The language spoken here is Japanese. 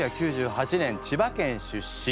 １９９８年千葉県出身。